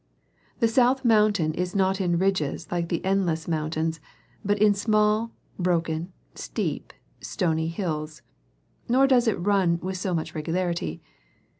" The South mountain is not in ridges like the Endless moun tains, but in small, broken, steep, stoney hills ; nor does it run with so much regularity.